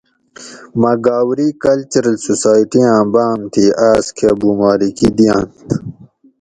مہۤ گاؤری کلچرل سوسائٹی آۤں بام تھی آۤس کہۤ بُمارِکی دیاۤںت